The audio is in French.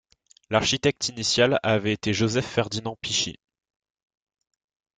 L'architecte initial avait été Joseph-Ferdinand Peachy.